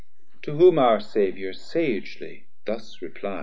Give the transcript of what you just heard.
To whom our Saviour sagely thus repli'd.